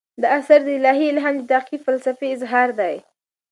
دا اثر د الهي الهام د تعقیب فلسفي اظهار دی.